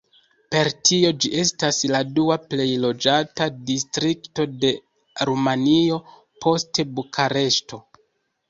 Per tio ĝi estas la dua plej loĝata distrikto de Rumanio, post Bukareŝto.